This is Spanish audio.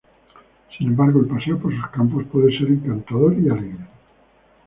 Sin embargo el paseo por sus campos puede ser encantador y alegre.